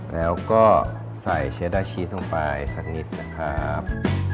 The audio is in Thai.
แล้วก็ใส่เชฟดาชี้ลงไปสักนิดนะครับ